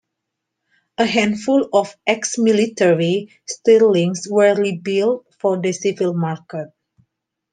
A handful of ex-military Stirlings were rebuilt for the civil market.